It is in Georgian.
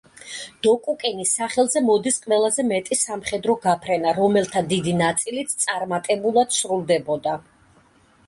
დოკუკინის სახელზე მოდის ყველაზე მეტი სამხედრო გაფრენა, რომელთა დიდი ნაწილიც წარმატებულად სრულდებოდა.